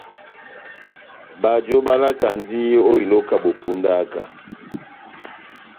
Bajo bálakandi ó iloka bó pundaka.